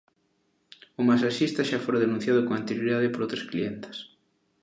O masaxista xa fora denunciado con anterioridade por outras clientas.